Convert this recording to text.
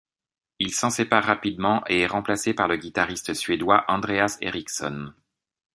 Il s'en sépare rapidement et est remplacé par le guitariste suédois Andreas Eriksson.